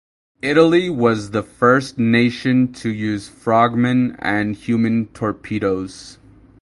Italy was the first nation to use frogmen and human torpedoes.